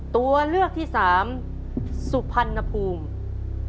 ตัวเลือกที่สามสุพรรณภูมิ